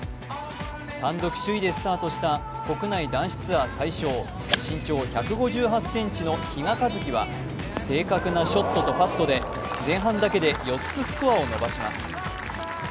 団独首位でスタートした国内男子ツアー最小、身長１５８ｃｍの比嘉一貴は正確なショットとパットで前半だけで４つスコアを伸ばします。